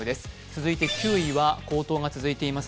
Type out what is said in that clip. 続いて９位は高騰が続いています